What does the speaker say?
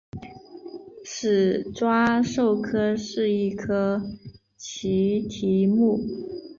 始爪兽科是一科奇蹄目。